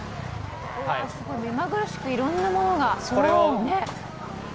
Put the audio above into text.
目まぐるしく、いろんなものが。